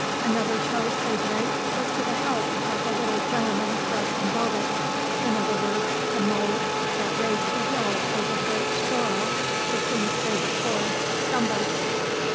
Another toast they drank was to the health of the little gentleman dressed in velvet, in other words, the mole that raised the hill over which Sorel (the king's favourite horse) stumbled.